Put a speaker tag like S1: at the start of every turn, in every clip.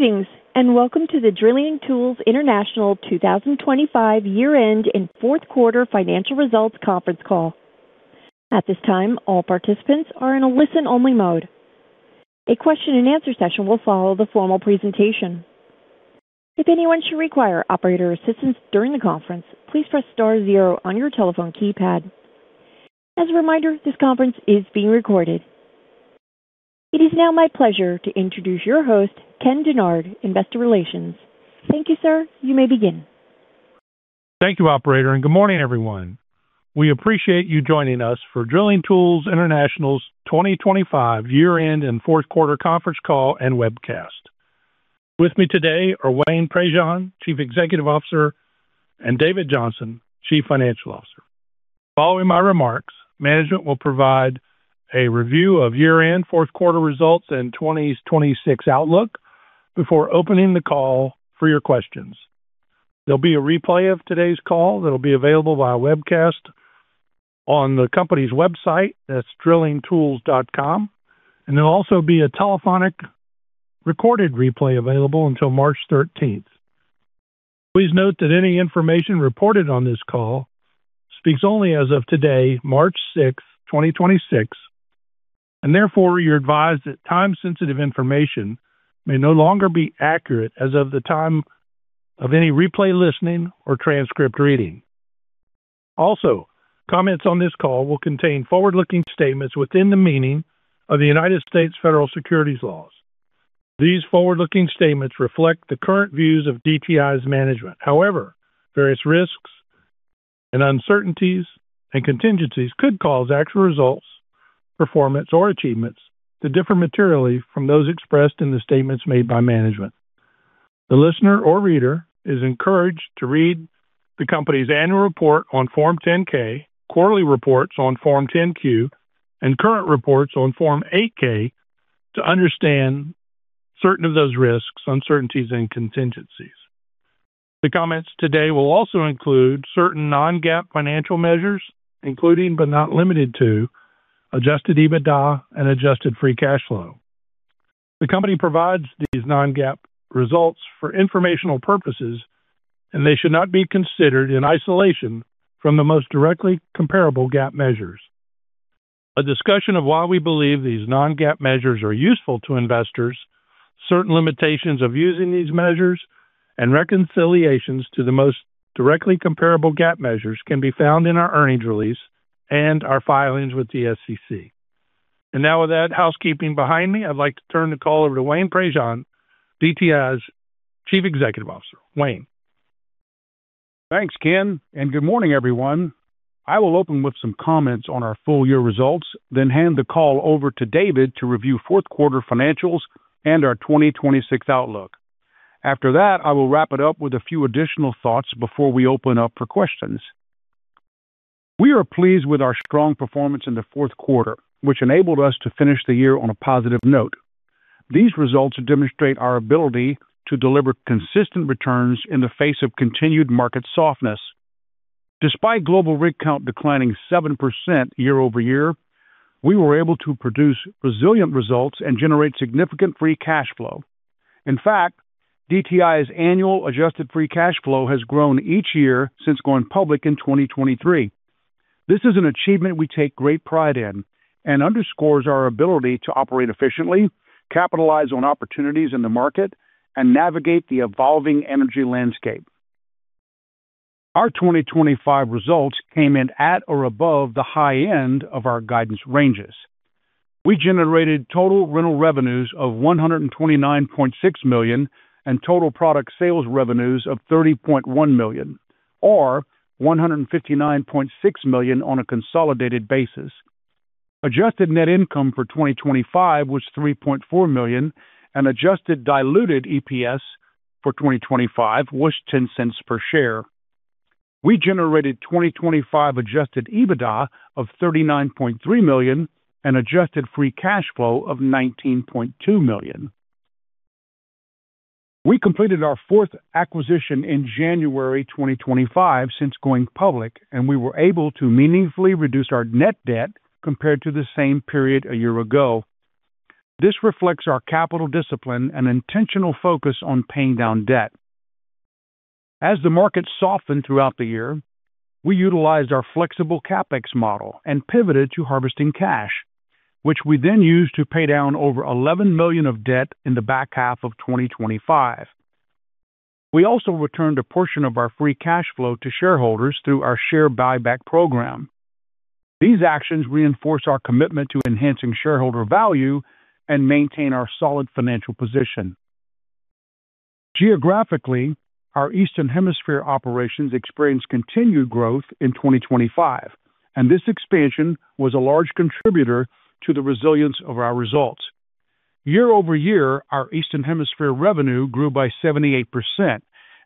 S1: Greetings, and welcome to the Drilling Tools International 2025 year-end and Fourth Quarter Financial Results Conference Call. At this time, all participants are in a listen-only mode. A question-and-answer session will follow the formal presentation. If anyone should require operator assistance during the conference, please press star zero on your telephone keypad. As a reminder, this conference is being recorded. It is now my pleasure to introduce your host, Ken Dennard, Investor Relations. Thank you, sir. You may begin.
S2: Thank you, operator. Good morning, everyone. We appreciate you joining us for Drilling Tools International's 2025 year-end and fourth quarter conference call and webcast. With me today are Wayne Prejean, Chief Executive Officer, and David Johnson, Chief Financial Officer. Following my remarks, management will provide a review of year-end, fourth quarter results, and 2026 outlook before opening the call for your questions. There'll be a replay of today's call that'll be available via webcast on the company's website. That's drillingtools.com. There'll also be a telephonic recorded replay available until March 13th. Please note that any information reported on this call speaks only as of today, March 6th, 2026, and therefore, you're advised that time-sensitive information may no longer be accurate as of the time of any replay listening or transcript reading. Also, comments on this call will contain forward-looking statements within the meaning of the United States federal securities laws. These forward-looking statements reflect the current views of DTI's management. However, various risks and uncertainties and contingencies could cause actual results, performance, or achievements to differ materially from those expressed in the statements made by management. The listener or reader is encouraged to read the company's annual report on Form 10-K, quarterly reports on Form 10-Q, and current reports on Form 8-K to understand certain of those risks, uncertainties, and contingencies. The comments today will also include certain non-GAAP financial measures, including but not limited to Adjusted EBITDA and adjusted free cash flow. The company provides these non-GAAP results for informational purposes, and they should not be considered in isolation from the most directly comparable GAAP measures. A discussion of why we believe these non-GAAP measures are useful to investors, certain limitations of using these measures and reconciliations to the most directly comparable GAAP measures can be found in our earnings release and our filings with the SEC. Now with that housekeeping behind me, I'd like to turn the call over to Wayne Prejean, DTI's Chief Executive Officer. Wayne.
S3: Thanks, Ken, and good morning, everyone. I will open with some comments on our full year results, hand the call over to David to review fourth quarter financials and our 2026 outlook. After that, I will wrap it up with a few additional thoughts before we open up for questions. We are pleased with our strong performance in the fourth quarter, which enabled us to finish the year on a positive note. These results demonstrate our ability to deliver consistent returns in the face of continued market softness. Despite global rig count declining 7% year-over-year, we were able to produce resilient results and generate significant free cash flow. In fact, DTI's annual adjusted free cash flow has grown each year since going public in 2023. This is an achievement we take great pride in and underscores our ability to operate efficiently, capitalize on opportunities in the market, and navigate the evolving energy landscape. Our 2025 results came in at or above the high end of our guidance ranges. We generated total rental revenues of $129.6 million and total product sales revenues of $30.1 million or $159.6 million on a consolidated basis. Adjusted net income for 2025 was $3.4 million and adjusted diluted EPS for 2025 was $0.10 per share. We generated 2025 Adjusted EBITDA of $39.3 million and adjusted free cash flow of $19.2 million. We completed our fourth acquisition in January 2025 since going public, and we were able to meaningfully reduce our net debt compared to the same period a year ago. This reflects our capital discipline and intentional focus on paying down debt. As the market softened throughout the year, we utilized our flexible CapEx model and pivoted to harvesting cash, which we then used to pay down over $11 million of debt in the back half of 2025. We also returned a portion of our free cash flow to shareholders through our share buyback program. These actions reinforce our commitment to enhancing shareholder value and maintain our solid financial position. Geographically, our Eastern Hemisphere operations experienced continued growth in 2025. This expansion was a large contributor to the resilience of our results. Year-over-year, our Eastern Hemisphere revenue grew by 78%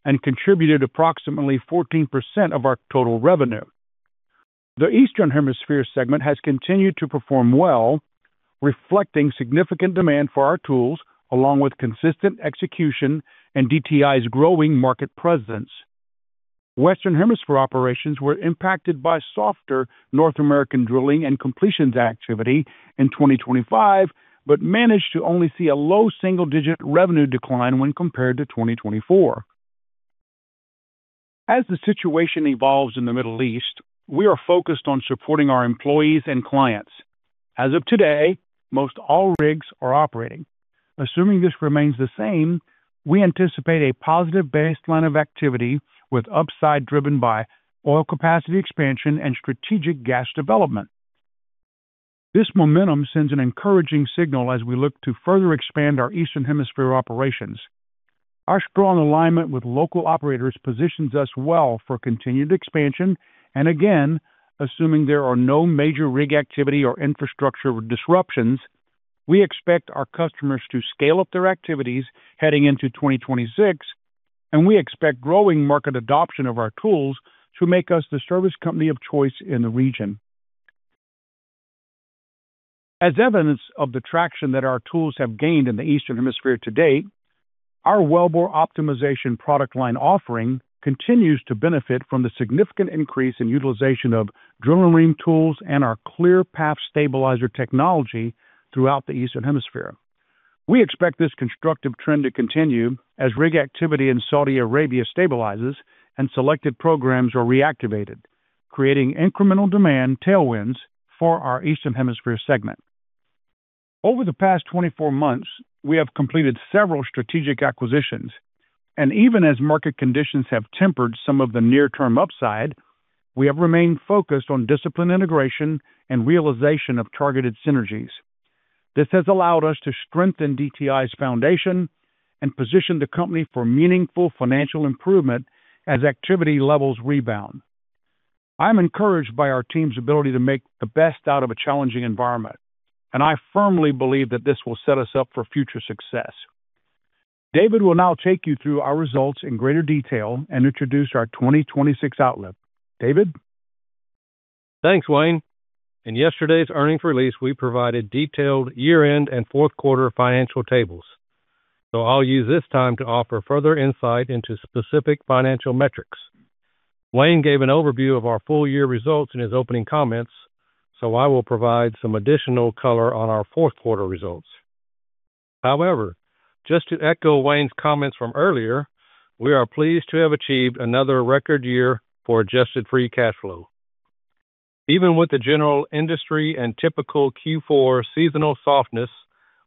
S3: and contributed approximately 14% of our total revenue. The Eastern Hemisphere segment has continued to perform well, reflecting significant demand for our tools, along with consistent execution and DTI's growing market presence. Western Hemisphere operations were impacted by softer North American drilling and completions activity in 2025, managed to only see a low single-digit revenue decline when compared to 2024. As the situation evolves in the Middle East, we are focused on supporting our employees and clients. As of today, most all rigs are operating. Assuming this remains the same, we anticipate a positive baseline of activity with upside driven by oil capacity expansion and strategic gas development. This momentum sends an encouraging signal as we look to further expand our Eastern Hemisphere operations. Our strong alignment with local operators positions us well for continued expansion, and again, assuming there are no major rig activity or infrastructure disruptions, we expect our customers to scale up their activities heading into 2026, and we expect growing market adoption of our tools to make us the service company of choice in the region. As evidence of the traction that our tools have gained in the Eastern Hemisphere to date, our wellbore optimization product line offering continues to benefit from the significant increase in utilization of drilling ream tools and our ClearPath stabilizer technology throughout the Eastern Hemisphere. We expect this constructive trend to continue as rig activity in Saudi Arabia stabilizes and selected programs are reactivated, creating incremental demand tailwinds for our Eastern Hemisphere segment. Over the past 24 months, we have completed several strategic acquisitions, even as market conditions have tempered some of the near-term upside, we have remained focused on disciplined integration and realization of targeted synergies. This has allowed us to strengthen DTI's foundation and position the company for meaningful financial improvement as activity levels rebound. I'm encouraged by our team's ability to make the best out of a challenging environment, I firmly believe that this will set us up for future success. David will now take you through our results in greater detail and introduce our 2026 outlook. David?
S4: Thanks, Wayne. In yesterday's earnings release, we provided detailed year-end and fourth quarter financial tables. I'll use this time to offer further insight into specific financial metrics. Wayne gave an overview of our full year results in his opening comments. I will provide some additional color on our fourth quarter results. However, just to echo Wayne's comments from earlier, we are pleased to have achieved another record year for adjusted free cash flow. Even with the general industry and typical Q4 seasonal softness,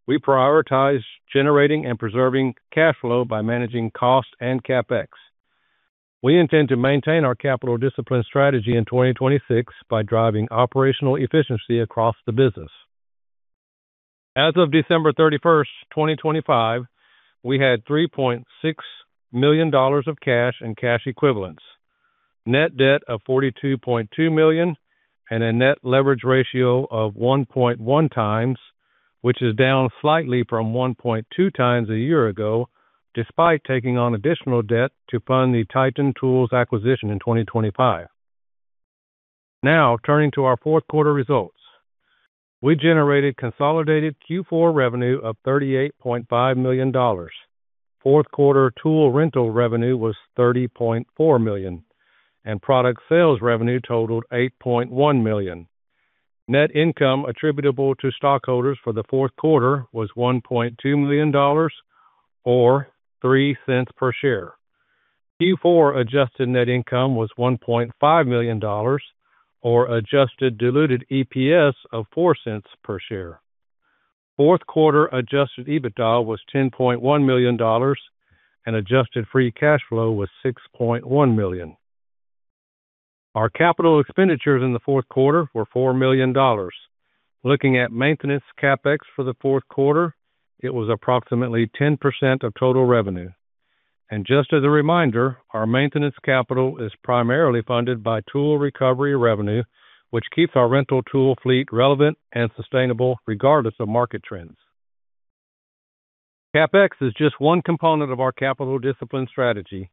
S4: we prioritize generating and preserving cash flow by managing cost and CapEx. We intend to maintain our capital discipline strategy in 2026 by driving operational efficiency across the business. As of December 31, 2025, we had $3.6 million of cash and cash equivalents, net debt of $42.2 million, and a net leverage ratio of 1.1x, which is down slightly from 1.2x a year ago, despite taking on additional debt to fund the Titan Tools acquisition in 2025. Turning to our fourth quarter results. We generated consolidated Q4 revenue of $38.5 million. Fourth quarter tool rental revenue was $30.4 million, and product sales revenue totaled $8.1 million. Net income attributable to stockholders for the fourth quarter was $1.2 million or $0.03 per share. Q4 adjusted net income was $1.5 million or adjusted diluted EPS of $0.04 per share. Fourth quarter Adjusted EBITDA was $10.1 million, and adjusted free cash flow was $6.1 million. Our capital expenditures in the fourth quarter were $4 million. Looking at maintenance CapEx for the fourth quarter, it was approximately 10% of total revenue. Just as a reminder, our maintenance capital is primarily funded by tool recovery revenue, which keeps our rental tool fleet relevant and sustainable regardless of market trends. CapEx is just one component of our capital discipline strategy.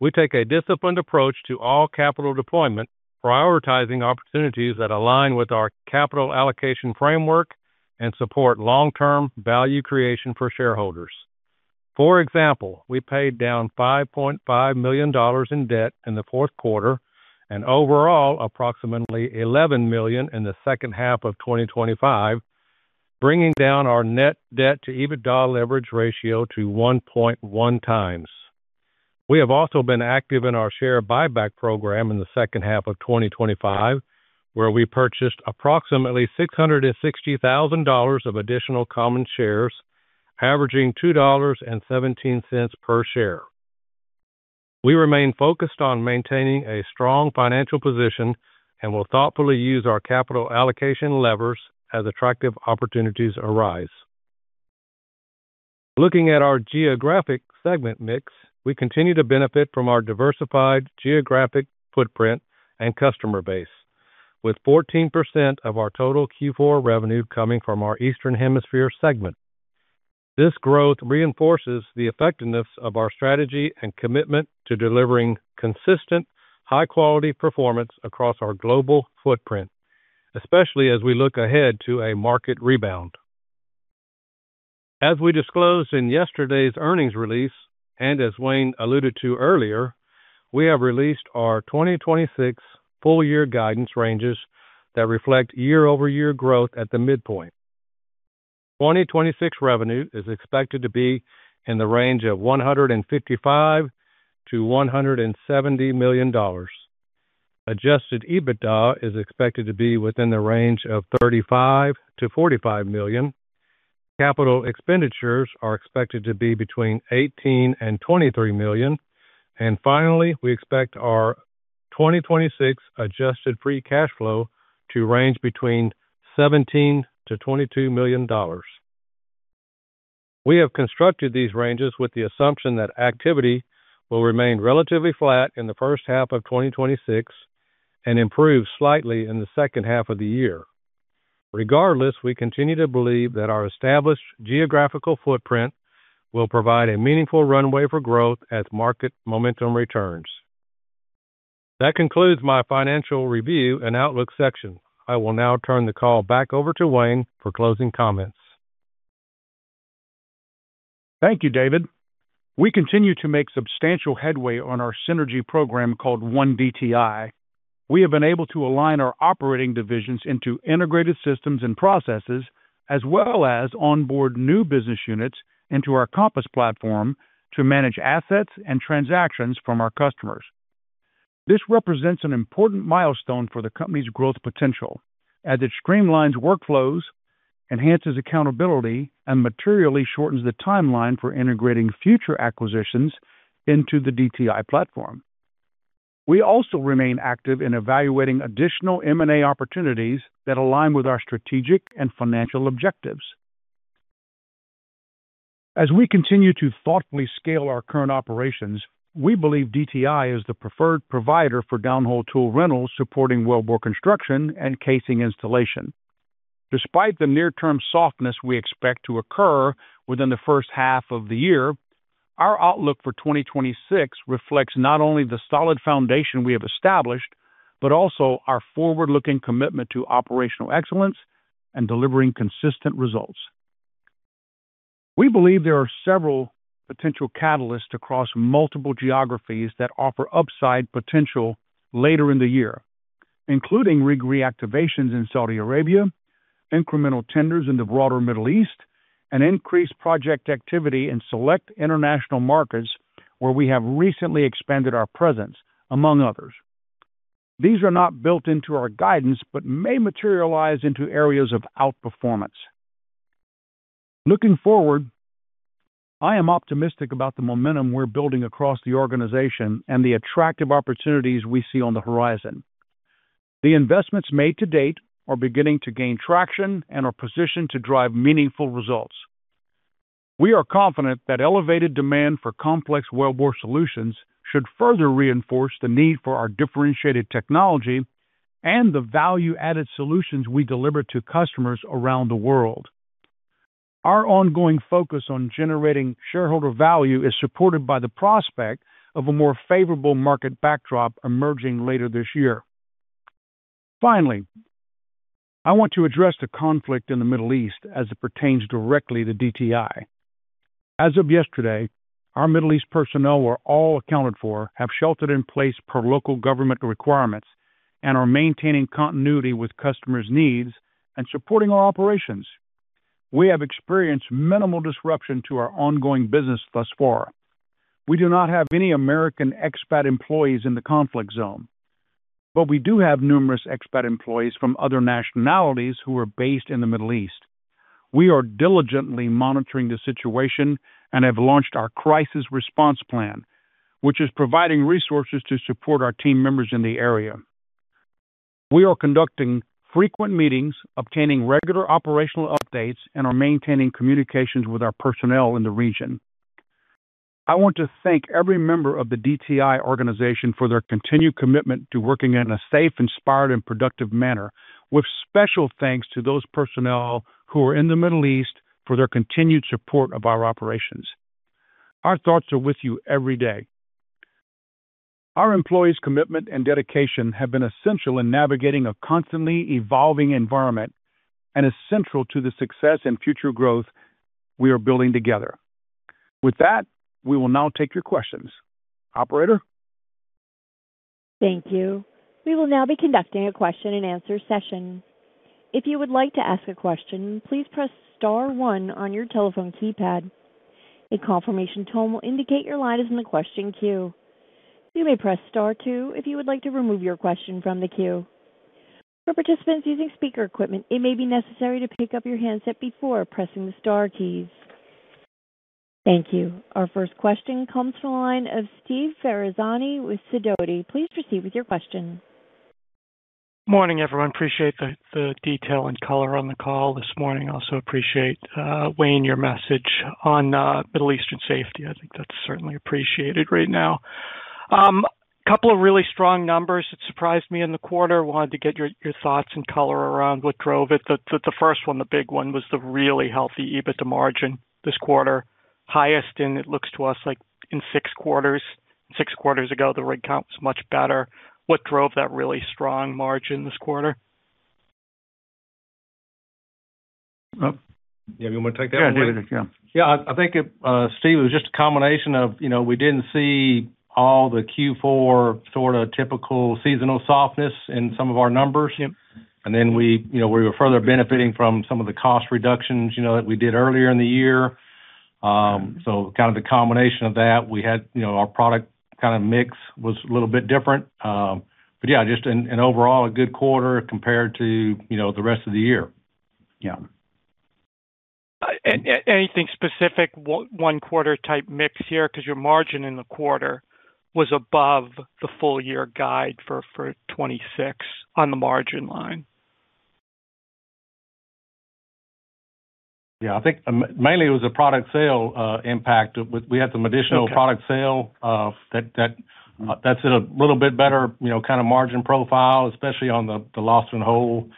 S4: We take a disciplined approach to all capital deployment, prioritizing opportunities that align with our capital allocation framework and support long-term value creation for shareholders. For example, we paid down $5.5 million in debt in the fourth quarter and overall approximately $11 million in the second half of 2025, bringing down our net debt to EBITDA leverage ratio to 1.1x. We have also been active in our share buyback program in the second half of 2025, where we purchased approximately $660,000 of additional common shares, averaging $2.17 per share. We remain focused on maintaining a strong financial position and will thoughtfully use our capital allocation levers as attractive opportunities arise. Looking at our geographic segment mix, we continue to benefit from our diversified geographic footprint and customer base, with 14% of our total Q4 revenue coming from our Eastern Hemisphere segment. This growth reinforces the effectiveness of our strategy and commitment to delivering consistent, high-quality performance across our global footprint, especially as we look ahead to a market rebound. As we disclosed in yesterday's earnings release, and as Wayne alluded to earlier, we have released our 2026 full year guidance ranges that reflect year-over-year growth at the midpoint. 2026 revenue is expected to be in the range of $155 million-$170 million. Adjusted EBITDA is expected to be within the range of $35 million-$45 million. Capital expenditures are expected to be between $18 million and $23 million. Finally, we expect our 2026 adjusted free cash flow to range between $17 million-$22 million. We have constructed these ranges with the assumption that activity will remain relatively flat in the first half of 2026 and improve slightly in the second half of the year. Regardless, we continue to believe that our established geographical footprint will provide a meaningful runway for growth as market momentum returns. That concludes my financial review and outlook section. I will now turn the call back over to Wayne for closing comments.
S3: Thank you, David. We continue to make substantial headway on our synergy program called One DTI. We have been able to align our operating divisions into integrated systems and processes, as well as onboard new business units into our COMPASS platform to manage assets and transactions from our customers. This represents an important milestone for the company's growth potential as it streamlines workflows, enhances accountability, and materially shortens the timeline for integrating future acquisitions into the DTI platform. We also remain active in evaluating additional M&A opportunities that align with our strategic and financial objectives. As we continue to thoughtfully scale our current operations, we believe DTI is the preferred provider for downhole tool rentals supporting wellbore construction and casing installation. Despite the near-term softness we expect to occur within the first half of the year, our outlook for 2026 reflects not only the solid foundation we have established, but also our forward-looking commitment to operational excellence and delivering consistent results. We believe there are several potential catalysts across multiple geographies that offer upside potential later in the year, including rig reactivations in Saudi Arabia, incremental tenders in the broader Middle East, and increased project activity in select international markets where we have recently expanded our presence, among others. These are not built into our guidance, but may materialize into areas of outperformance. Looking forward, I am optimistic about the momentum we're building across the organization and the attractive opportunities we see on the horizon. The investments made to date are beginning to gain traction and are positioned to drive meaningful results. We are confident that elevated demand for complex wellbore solutions should further reinforce the need for our differentiated technology and the value-added solutions we deliver to customers around the world. Our ongoing focus on generating shareholder value is supported by the prospect of a more favorable market backdrop emerging later this year. Finally, I want to address the conflict in the Middle East as it pertains directly to DTI. As of yesterday, our Middle East personnel were all accounted for, have sheltered in place per local government requirements and are maintaining continuity with customers' needs and supporting our operations. We have experienced minimal disruption to our ongoing business thus far. We do not have any American expat employees in the conflict zone, but we do have numerous expat employees from other nationalities who are based in the Middle East. We are diligently monitoring the situation and have launched our crisis response plan, which is providing resources to support our team members in the area. We are conducting frequent meetings, obtaining regular operational updates, and are maintaining communications with our personnel in the region. I want to thank every member of the DTI organization for their continued commitment to working in a safe, inspired, and productive manner, with special thanks to those personnel who are in the Middle East for their continued support of our operations. Our thoughts are with you every day. Our employees' commitment and dedication have been essential in navigating a constantly evolving environment and is central to the success and future growth we are building together. With that, we will now take your questions. Operator?
S1: Thank you. We will now be conducting a question-and-answer session. If you would like to ask a question, please press star one on your telephone keypad. A confirmation tone will indicate your line is in the question queue. You may press star two if you would like to remove your question from the queue. For participants using speaker equipment, it may be necessary to pick up your handset before pressing the star keys. Thank you. Our first question comes from the line of Steve Ferazani with Sidoti. Please proceed with your question.
S5: Morning, everyone. Appreciate the detail and color on the call this morning. Also appreciate, Wayne, your message on Middle Eastern safety. I think that's certainly appreciated right now. Couple of really strong numbers that surprised me in the quarter. Wanted to get your thoughts and color around what drove it. The first one, the big one, was the really healthy EBITDA margin this quarter. Highest, and it looks to us like in six quarters. six quarters ago, the rig count was much better. What drove that really strong margin this quarter?
S3: Oh.
S4: Yeah, you want me to take that one?
S3: Yeah, take it. Yeah.
S4: Yeah, I think it, Steve, it was just a combination of, you know, we didn't see all the Q4 sorta typical seasonal softness in some of our numbers.
S5: Yep.
S4: We, you know, we were further benefiting from some of the cost reductions, you know, that we did earlier in the year. Kind of the combination of that we had, you know, our product kinda mix was a little bit different. Yeah, just an overall a good quarter compared to, you know, the rest of the year.
S3: Yeah.
S5: Anything specific one quarter type mix here? Your margin in the quarter was above the full year guide for 2026 on the margin line.
S4: Yeah. I think mainly it was a product sale, impact. We had some additional-
S5: Okay.
S4: product sale, that's a little bit better, you know, kind of margin profile, especially on the lost-in-hole,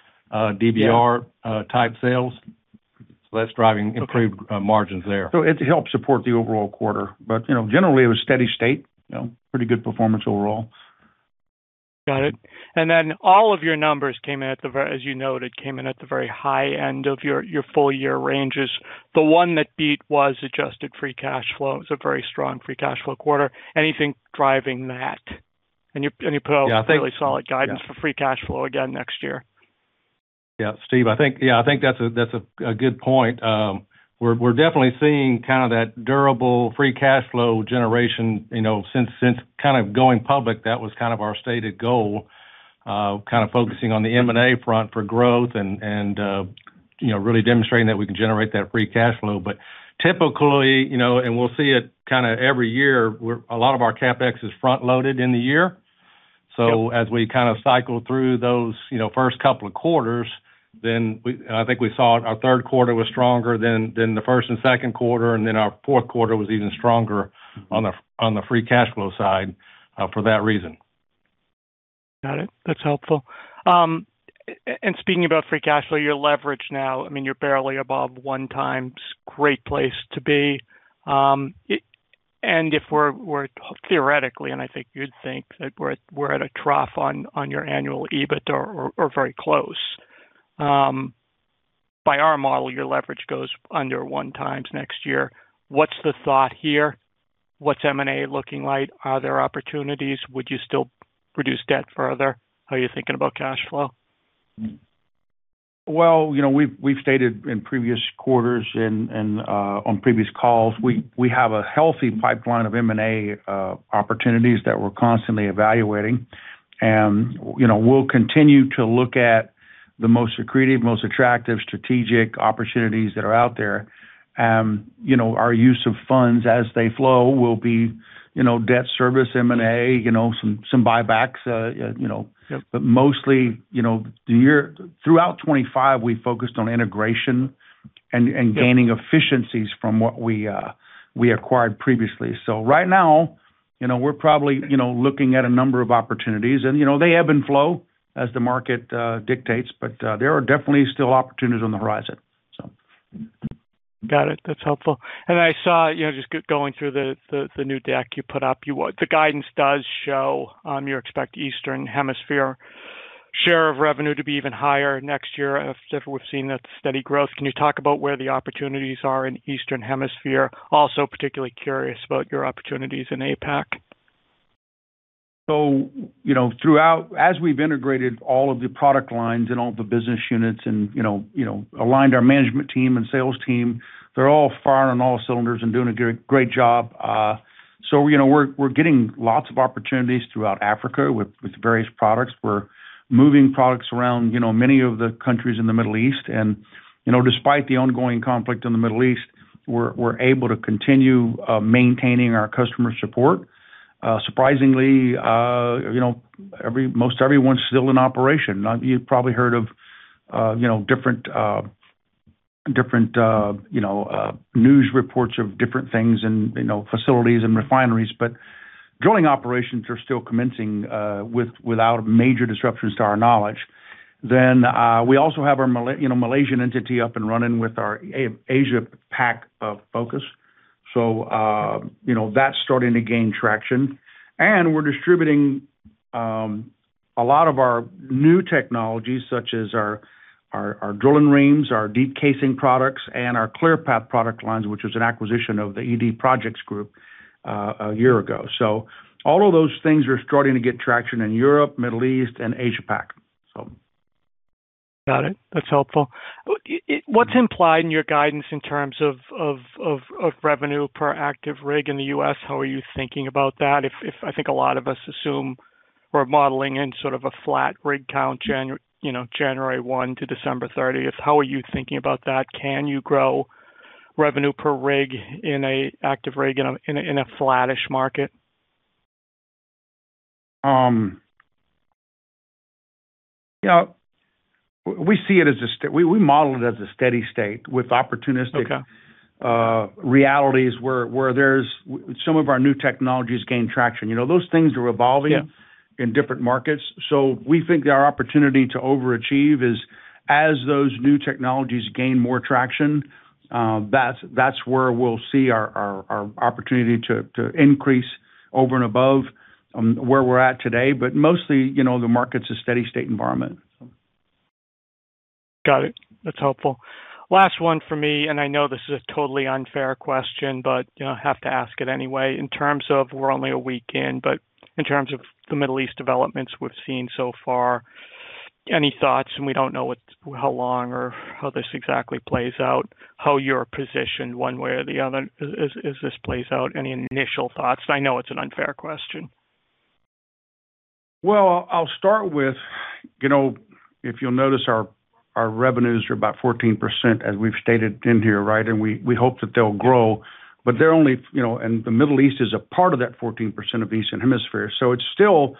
S4: DBR.
S5: Yeah.
S4: type sales. That's driving improved.
S5: Okay.
S4: margins there.
S3: It helped support the overall quarter. You know, generally it was steady state, you know, pretty good performance overall.
S5: Got it. Then all of your numbers came in at the very high end of your full year ranges. The one that beat was adjusted free cash flow. It was a very strong free cash flow quarter. Anything driving that? You, and you put out-
S4: Yeah.
S5: A really solid guidance for free cash flow again next year.
S4: Yeah, Steve, I think that's a good point. We're definitely seeing kinda that durable free cash flow generation, you know, since kind of going public. That was kind of our stated goal, kind of focusing on the M&A front for growth and, you know, really demonstrating that we can generate that free cash flow. Typically, you know, and we'll see it kinda every year, a lot of our CapEx is front-loaded in the year.
S5: Yep.
S4: As we kind of cycle through those, you know, first couple of quarters, and I think we saw our third quarter was stronger than the first and second quarter, and then our fourth quarter was even stronger on the free cash flow side, for that reason.
S5: Got it. That's helpful. and speaking about free cash flow, your leverage now, I mean, you're barely above 1x. Great place to be. If we're theoretically, and I think you'd think that we're at a trough on your annual EBITDA or very close. By our model, your leverage goes under 1x next year. What's the thought here? What's M&A looking like? Are there opportunities? Would you still reduce debt further? How are you thinking about cash flow?
S3: Well, you know, we've stated in previous quarters and on previous calls, we have a healthy pipeline of M&A opportunities that we're constantly evaluating. You know, we'll continue to look at the most accretive, most attractive strategic opportunities that are out there. You know, our use of funds as they flow will be, you know, debt service, M&A, you know, some buybacks, you know.
S5: Yep.
S3: Mostly, you know, throughout 2025, we focused on integration and gaining efficiencies from what we acquired previously. Right now, you know, we're probably, you know, looking at a number of opportunities. They ebb and flow as the market dictates, but there are definitely still opportunities on the horizon.
S5: Got it. That's helpful. I saw, you know, just going through the new deck you put up, the guidance does show, you expect Eastern Hemisphere share of revenue to be even higher next year if we've seen that steady growth. Can you talk about where the opportunities are in Eastern Hemisphere? Also particularly curious about your opportunities in APAC.
S3: You know, throughout as we've integrated all of the product lines and all the business units and, you know, aligned our management team and sales team, they're all firing all cylinders and doing a great job. You know, we're getting lots of opportunities throughout Africa with various products. We're moving products around, you know, many of the countries in the Middle East. You know, despite the ongoing conflict in the Middle East, we're able to continue maintaining our customer support. Surprisingly, you know, most everyone's still in operation. You've probably heard of, you know, different news reports of different things and, you know, facilities and refineries, drilling operations are still commencing without major disruptions to our knowledge. We also have our, you know, Malaysian entity up and running with our Asia-Pac focus. You know, that's starting to gain traction. We're distributing a lot of our new technologies such as our drilling reamers, our Deep Casing products, and our ClearPath product lines, which was an acquisition of the ED Projects group a year ago. All of those things are starting to get traction in Europe, Middle East, and Asia-Pac.
S5: Got it. That's helpful. What's implied in your guidance in terms of revenue per active rig in the U.S.? How are you thinking about that? If I think a lot of us assume we're modeling in sort of a flat rig count, you know, January 1 to December 30th. How are you thinking about that? Can you grow revenue per rig in an active rig in a flattish market?
S3: Yeah. We model it as a steady state with opportunistic-
S5: Okay.
S3: realities where some of our new technologies gain traction. You know, those things are evolving.
S5: Yeah.
S3: -in different markets. We think our opportunity to overachieve is. As those new technologies gain more traction, that's where we'll see our opportunity to increase over and above where we're at today. Mostly, you know, the market's a steady-state environment.
S5: Got it. That's helpful. Last one for me, I know this is a totally unfair question, you know, I have to ask it anyway. In terms of we're only a week in terms of the Middle East developments we've seen so far, any thoughts? We don't know how long or how this exactly plays out, how you're positioned one way or the other as this plays out. Any initial thoughts? I know it's an unfair question.
S3: Well, I'll start with, you know, if you'll notice our revenues are about 14%, as we've stated in here, right? We hope that they'll grow. They're only, you know, and the Middle East is a part of that 14% of the Eastern Hemisphere. It's still,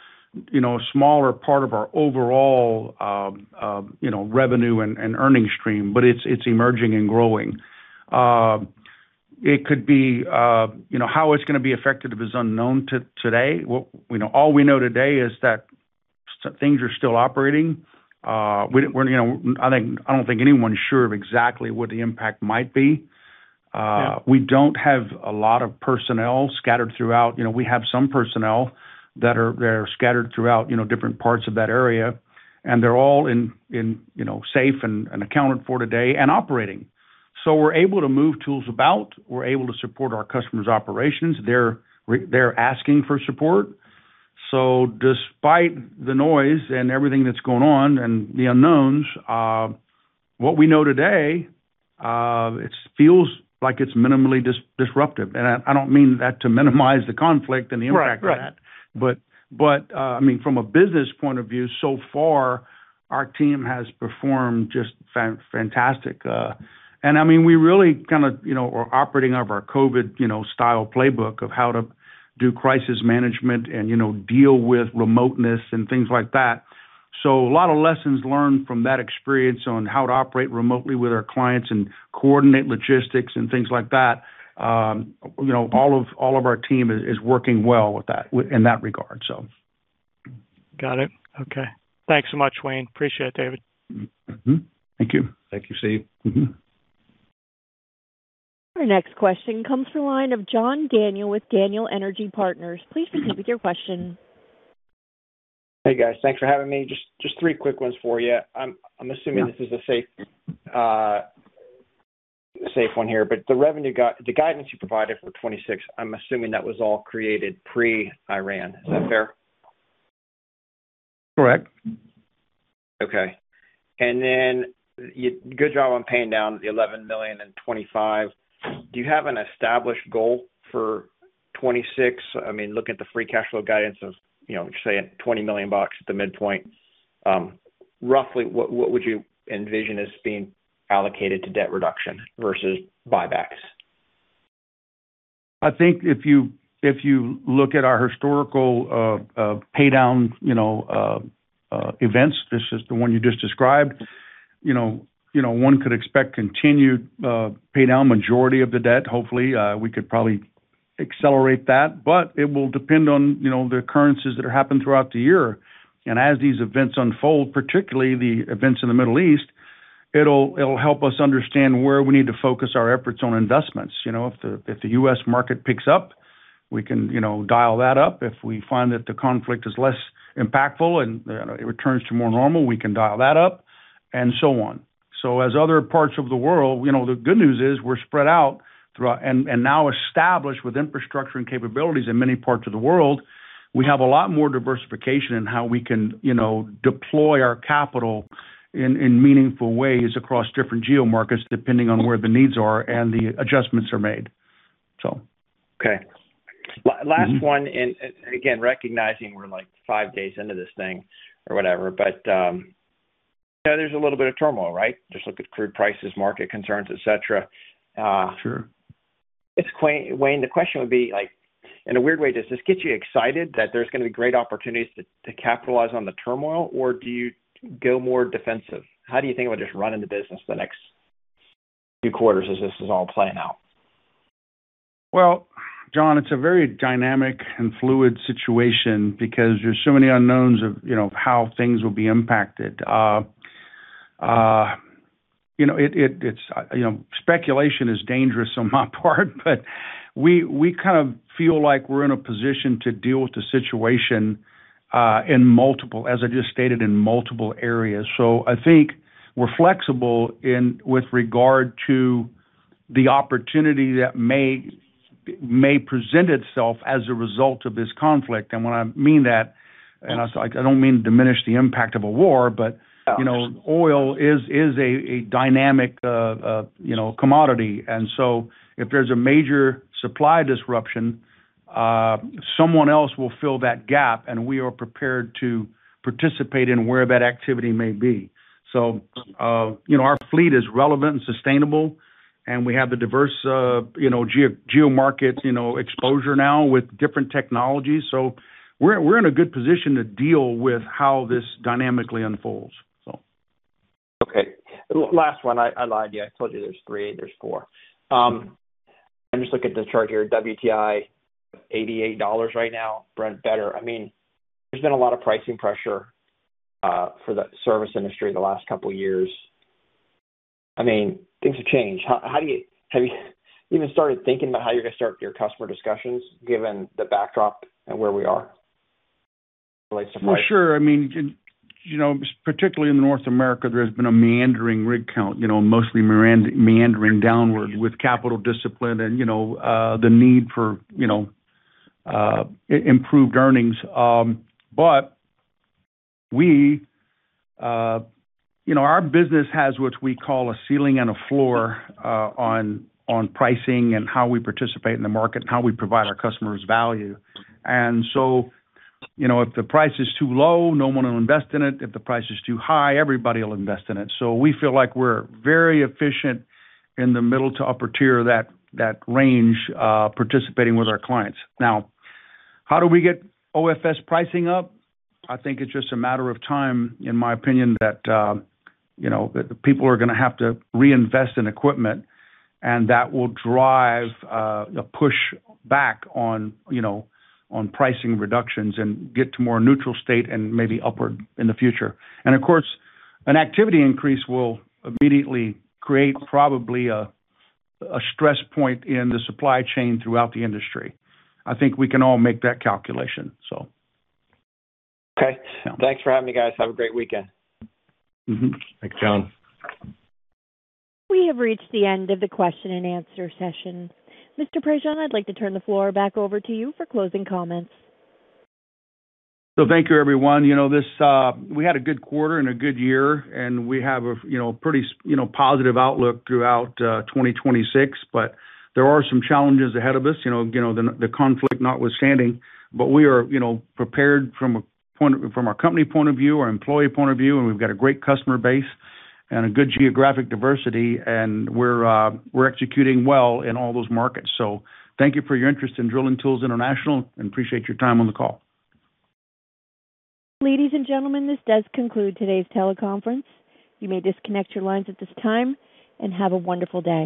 S3: you know, a smaller part of our overall, you know, revenue and earning stream, but it's emerging and growing. It could be, you know, how it's gonna be affected is unknown today. All we know today is that things are still operating. We're, you know, I don't think anyone's sure of exactly what the impact might be.
S5: Yeah.
S3: We don't have a lot of personnel scattered throughout. You know, we have some personnel, they're scattered throughout, you know, different parts of that area, and they're all in, you know, safe and accounted for today and operating. We're able to move tools about. We're able to support our customers' operations. They're asking for support. Despite the noise and everything that's going on and the unknowns, what we know today, it feels like it's minimally disruptive. I don't mean that to minimize the conflict and the impact of that.
S5: Right. Right.
S3: I mean, from a business point of view, so far, our team has performed just fantastic. I mean, we really kinda, you know, we're operating off our COVID, you know, style playbook of how to do crisis management and, you know, deal with remoteness and things like that. A lot of lessons learned from that experience on how to operate remotely with our clients and coordinate logistics and things like that. You know, all of our team is working well in that regard, so.
S5: Got it. Okay. Thanks so much, Wayne. Appreciate it, David.
S3: Mm-hmm. Thank you.
S4: Thank you, Steve.
S3: Mm-hmm.
S1: Our next question comes from the line of John Daniel with Daniel Energy Partners. Please proceed with your question.
S6: Hey, guys. Thanks for having me. Just three quick ones for you. I'm assuming.
S3: Yeah.
S6: This is a safe one here, but the revenue the guidance you provided for 2026, I'm assuming that was all created pre-Iran. Is that fair?
S3: Correct.
S6: Okay. Good job on paying down the $11 million in 2025. Do you have an established goal for 2026? I mean, looking at the free cash flow guidance of, you know, say, $20 million bucks at the midpoint, roughly, what would you envision as being allocated to debt reduction versus buybacks?
S3: I think if you look at our historical pay down, you know, events, this is the one you just described, you know, one could expect continued pay down majority of the debt. Hopefully, we could probably accelerate that, but it will depend on, you know, the occurrences that happen throughout the year. As these events unfold, particularly the events in the Middle East, it'll help us understand where we need to focus our efforts on investments. You know, if the U.S. market picks up, we can, you know, dial that up. If we find that the conflict is less impactful and, you know, it returns to more normal, we can dial that up, and so on. As other parts of the world, you know, the good news is we're spread out throughout and now established with infrastructure and capabilities in many parts of the world. We have a lot more diversification in how we can, you know, deploy our capital in meaningful ways across different geo-markets, depending on where the needs are and the adjustments are made.
S6: Okay.
S3: Mm-hmm.
S6: Last one, and again, recognizing we're, like, five days into this thing or whatever, but, you know, there's a little bit of turmoil, right? Just look at crude prices, market concerns, et cetera.
S3: Sure.
S6: Wayne, the question would be, like, in a weird way, does this get you excited that there's gonna be great opportunities to capitalize on the turmoil, or do you go more defensive? How do you think about just running the business the next few quarters as this is all playing out?
S3: Well, John, it's a very dynamic and fluid situation because there's so many unknowns of, you know, how things will be impacted. you know, it's, you know, speculation is dangerous on my part, but we kind of feel like we're in a position to deal with the situation, in multiple, as I just stated, in multiple areas. I think we're flexible with regard to the opportunity that may present itself as a result of this conflict. When I mean that, and I don't mean to diminish the impact of a war, but.
S6: No.
S3: You know, oil is a dynamic, you know, commodity. If there's a major supply disruption, someone else will fill that gap, and we are prepared to participate in where that activity may be. You know, our fleet is relevant and sustainable, and we have the diverse, you know, geo-geo market, you know, exposure now with different technologies. We're in a good position to deal with how this dynamically unfolds, so.
S6: Okay. Last one. I lied to you. I told you there's three, there's four. I'm just looking at this chart here, WTI, $88 right now, Brent better. I mean, there's been a lot of pricing pressure for the service industry the last couple years. I mean, things have changed. How do you have you even started thinking about how you're gonna start your customer discussions given the backdrop and where we are relates to price?
S3: For sure. I mean, you know, particularly in North America, there's been a meandering rig count, you know, mostly meandering downward with capital discipline and, you know, the need for, you know, improved earnings. But we, you know, our business has what we call a ceiling and a floor, on pricing and how we participate in the market and how we provide our customers value. You know, if the price is too low, no one will invest in it. If the price is too high, everybody will invest in it. We feel like we're very efficient in the middle to upper tier of that range, participating with our clients. How do we get OFS pricing up? I think it's just a matter of time, in my opinion, that, you know, people are gonna have to reinvest in equipment. That will drive a push back on, you know, on pricing reductions and get to a more neutral state and maybe upward in the future. Of course, an activity increase will immediately create probably a stress point in the supply chain throughout the industry. I think we can all make that calculation, so.
S6: Thanks for having me, guys. Have a great weekend.
S3: Mm-hmm. Thanks, John.
S1: We have reached the end of the question and answer session. Mr. Prejean, I'd like to turn the floor back over to you for closing comments.
S3: Thank you, everyone. You know, this, we had a good quarter and a good year, and we have a, you know, pretty positive outlook throughout 2026. There are some challenges ahead of us, you know, the conflict notwithstanding. We are, you know, prepared from our company point of view, our employee point of view, and we've got a great customer base and a good geographic diversity, and we're executing well in all those markets. Thank you for your interest in Drilling Tools International and appreciate your time on the call.
S1: Ladies and gentlemen, this does conclude today's teleconference. You may disconnect your lines at this time, and have a wonderful day.